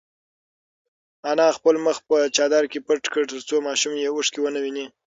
انا خپل مخ په چادر کې پټ کړ ترڅو ماشوم یې اوښکې ونه ویني.